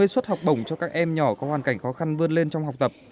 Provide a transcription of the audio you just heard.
bốn mươi xuất học bổng cho các em nhỏ có hoàn cảnh khó khăn vươn lên trong học tập